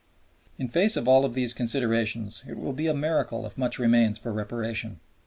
In face of all these considerations, it will be a miracle if much remains for Reparation.